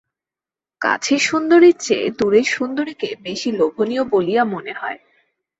কাছের সুন্দরীর চেয়ে দূরের সুন্দরীকে বেশি লোভনীয় বলিয়া মনে হয়।